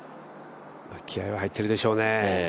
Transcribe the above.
気合いは入ってるでしょうね。